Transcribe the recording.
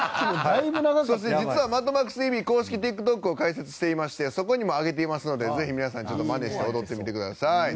そして実は「マッドマックスＴＶ」公式ＴｉｋＴｏｋを開設していましてそこにも上げていますのでぜひ皆さん、まねして踊ってみてください。